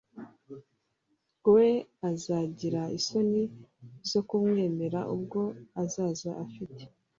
we azagira isoni zo kumwemera ubwo azaza afite